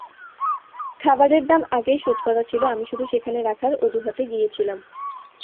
খাবারের দাম আগেই শোধ করা ছিল, আমি শুধু সেখানে রাখার অজুহাতে গিয়েছিলাম।